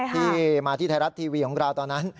ที่มาที่ไทยรัฐทีวีของเราตอนนั้น